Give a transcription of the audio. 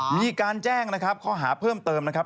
มีการแจ้งนะครับข้อหาเพิ่มเติมนะครับ